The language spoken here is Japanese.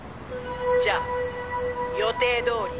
「じゃあ予定どおりね」